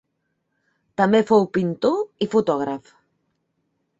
També fou pintor i fotògraf.